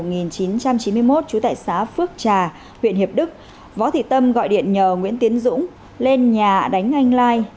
trú tại xã phước trà huyện hiệp đức võ thị tâm gọi điện nhờ nguyễn tiến dũng lên nhà đánh anh lai